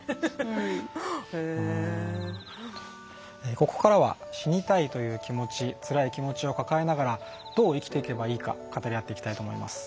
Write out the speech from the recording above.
ここからは死にたいという気持ちつらい気持ちを抱えながらどう生きていけばいいか語り合っていきたいと思います。